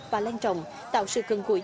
và lan trọng tạo sự cân cụi